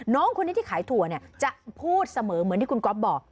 น้องคนนี้ที่ขายถั่วจะพูดเสมอเหมือนที่คุณก๊อฟบอก